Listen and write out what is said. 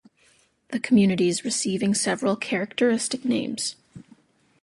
The communities receiving several characteristic names.